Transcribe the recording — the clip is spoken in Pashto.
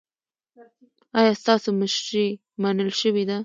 ایا ستاسو مشري منل شوې ده؟